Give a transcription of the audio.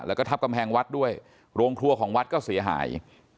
แล้วก็ทับกำแพงวัดด้วยโรงครัวของวัดก็เสียหาย